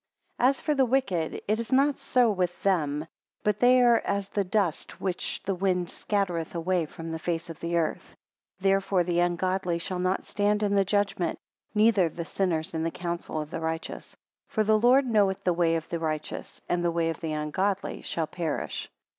8 As for the wicked it is not so with them; but they are as the dust which the wind scattereth away from the face of the earth. 9 Therefore the ungodly shall not stand in the judgment, neither the sinners in the council of the righteous. For the Lord knoweth the way of the righteous, and the way of the ungodly shall perish.